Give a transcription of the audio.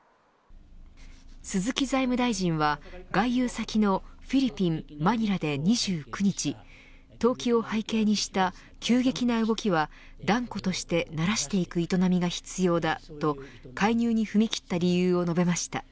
鈴木財務大臣は外遊先のフィリピン、マニラで２９日投機を背景にした急激な動きは断固としてならしていく営みが必要だと介入に踏み切った理由を述べました。